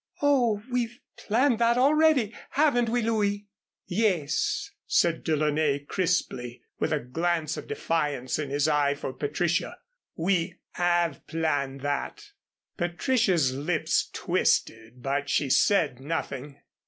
Oh, we've planned that already, haven't we, Louis?" "Yes," said DeLaunay, crisply, with a glance of defiance in his eye for Patricia. "We have planned that." Patricia's lips twisted, but she said nothing.